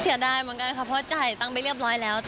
เสียดายเหมือนกันค่ะเพราะจ่ายตังค์ไปเรียบร้อยแล้ว